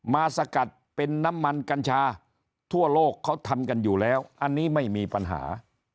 สกัดเป็นน้ำมันกัญชาทั่วโลกเขาทำกันอยู่แล้วอันนี้ไม่มีปัญหา